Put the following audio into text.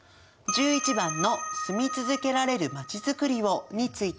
１１番の「住み続けられるまちづくりを」について。